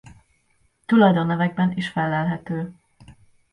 Tulajdonnevekben is fellelhető.